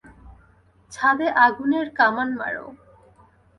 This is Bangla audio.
ছাদে আগুনের কামান মার!